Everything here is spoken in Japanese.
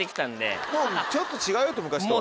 ちょっと違うよと昔と。